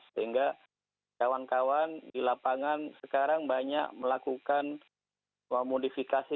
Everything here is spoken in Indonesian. sehingga kawan kawan di lapangan sekarang banyak melakukan modifikasi